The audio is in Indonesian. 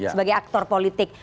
sebagai aktor politik